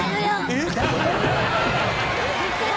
えっ？